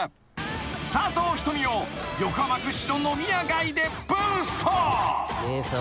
［佐藤仁美を横浜屈指の飲み屋街でブースト］